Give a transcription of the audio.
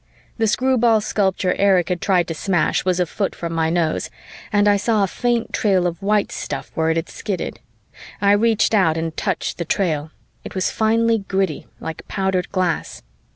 The screwball sculpture Erich had tried to smash was a foot from my nose and I saw a faint trail of white stuff where it had skidded. I reached out and touched the trail; it was finely gritty, like powdered glass.